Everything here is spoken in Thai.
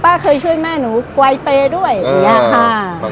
เคยช่วยแม่หนูไวเปย์ด้วยอย่างนี้ค่ะ